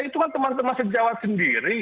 itu kan teman teman sejawat sendiri